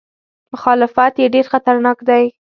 مخالفت یې ډېر خطرناک دی.